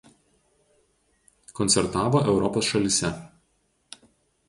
Koncertavo Europos šalyse.